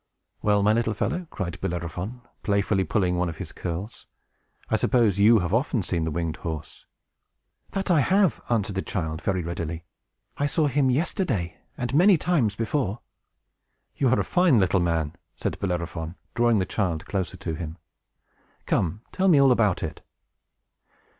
"Well, my little fellow," cried Bellerophon, playfully pulling one of his curls, "I suppose you have often seen the winged horse." "That I have," answered the child, very readily. "I saw him yesterday, and many times before." "You are a fine little man!" said Bellerophon, drawing the child closer to him. "Come, tell me all about it."